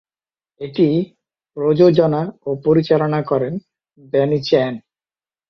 এটি প্রযোজনা ও পরিচালনা করেন বেনি চ্যান।